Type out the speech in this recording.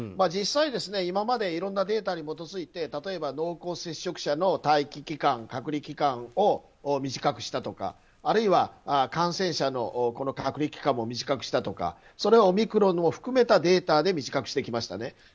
実際、今までいろんなデータに基づいて例えば濃厚接触者の待機期間、隔離期間を短くしたとか、あるいは感染者の隔離期間を短くしたとか、それはオミクロンを含めたデータで短くしてきましたね。